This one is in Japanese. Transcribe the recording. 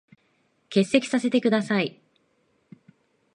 欠席させて下さい。